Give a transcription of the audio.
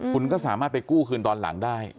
คุณก็สามารถไปกู้คืนตอนหลังได้